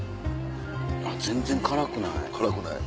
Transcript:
あっ全然辛くない。